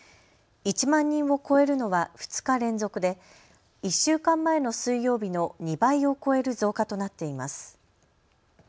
１万人を超えるのは２日連続で１週間前の水曜日の２倍を超える増加となっています。